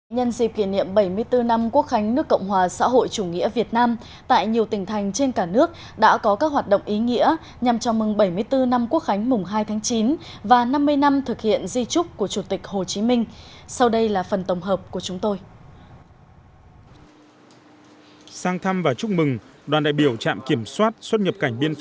nhân dịp kỷ niệm bảy mươi bốn năm quốc khánh nước cộng hòa xã hội chủ nghĩa việt nam tại nhiều tỉnh thành trên cả nước đã có các hoạt động ý nghĩa nhằm chào mừng bảy mươi bốn năm quốc khánh mùng hai tháng chín và năm mươi năm thực hiện di trúc của chủ tịch hồ chí minh sau đây là phần tổng hợp của chúng tôi